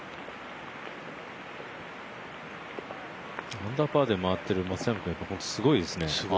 アンダーパーでまわってる松山君すごいですね。